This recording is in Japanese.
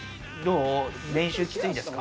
練習、きついですか？